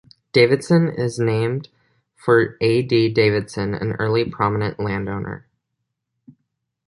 Davidson is named for A. D. Davidson, an early prominent landowner.